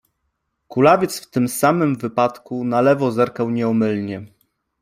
Kulawiec w tym samym wypadku na lewo zerkał nieomylnie.